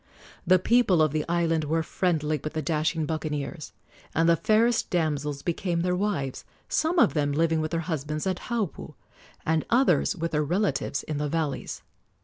The people of the island were friendly with the dashing buccaneers, and the fairest damsels became their wives, some of them living with their husbands at Haupu, and others with their relatives in the valleys.